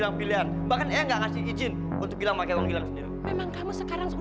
dan gak akan kembali ke rumpah ini lagi